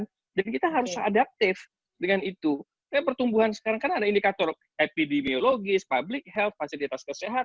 di sesuaikan dan kita harus se adaptif dengan itu teman teman pertumbuhan sekarang ada indikator epidemiologis public health kesehatan harus chaotic ya harus kita sesuaikan di